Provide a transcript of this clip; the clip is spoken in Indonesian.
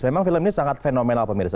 memang film ini sangat fenomenal pemirsa